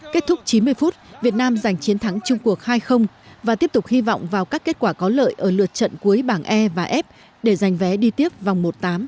kết thúc chín mươi phút việt nam giành chiến thắng chung cuộc hai và tiếp tục hy vọng vào các kết quả có lợi ở lượt trận cuối bảng e và f để giành vé đi tiếp vòng một tám